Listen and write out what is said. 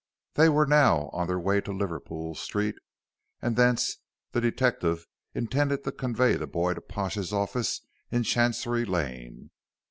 They were now on their way to Liverpool Street and thence the detective intended to convey the boy to Pash's office in Chancery Lane.